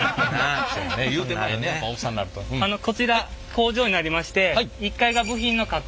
こちら工場になりまして１階が部品の加工